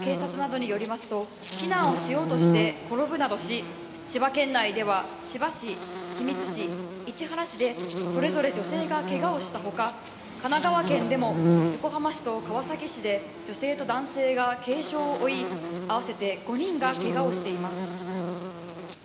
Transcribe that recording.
警察などによりますと、避難をしようとして転ぶなどし、千葉県内では千葉市、君津市、市原市でそれぞれ女性がけがをしたほか、神奈川県でも横浜市と川崎市で、女性と男性が軽傷を負い、あわせて５人がけがをしています。